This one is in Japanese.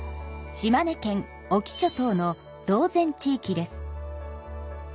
島根県隠岐諸島の島前地域です。